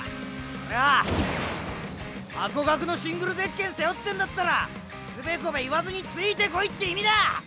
あれはハコガクのシングルゼッケン背負ってんだったらつべこべ言わずについてこいって意味だ！